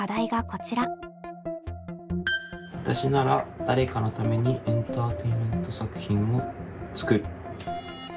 わたしなら誰かのためにエンターテインメント作品を作る。